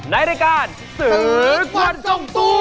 ในรายการสื่อกวนส่งตัว